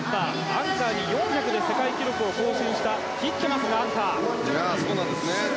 アンカーで４００の世界記録を更新したティットマスがいます。